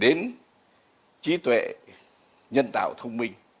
đến trí tuệ nhân tạo thông minh